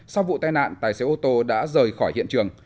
sau vụ tai nạn tài xế ô tô đã rời khỏi hiện trường